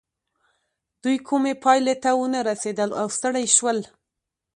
دوی کومې پايلې ته ونه رسېدل او ستړي شول.